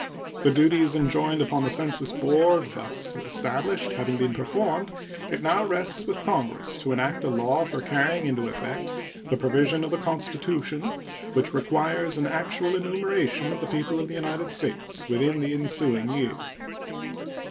The duties enjoined upon the census board thus established having been performed, it now rests with Congress to enact a law for carrying into effect the provision of the Constitution which requires an actual enumeration of the people of the United States within the ensuing year.